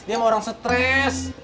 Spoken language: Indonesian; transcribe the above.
dia mah orang stres